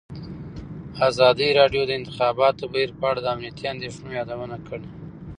ازادي راډیو د د انتخاباتو بهیر په اړه د امنیتي اندېښنو یادونه کړې.